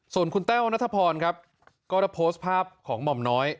ส่วนคุณแต้วนัทพรครับก็ได้โพสต์ภาพของหม่อมน้อย